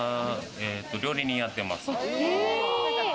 料理人をやってます。